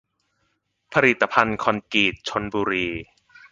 ผลิตภัณฑ์คอนกรีตชลบุรี